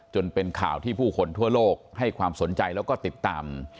จนเป็นข่าวที่ผู้คนทั่วโลกให้ความสนใจแล้วก็ติดตาม